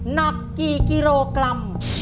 หนักกี่กิโลกรัม